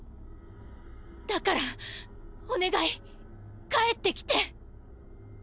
だからお願い帰ってきて。